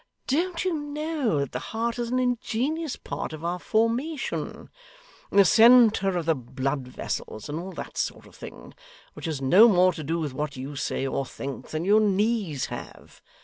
Don't you know that the heart is an ingenious part of our formation the centre of the blood vessels and all that sort of thing which has no more to do with what you say or think, than your knees have?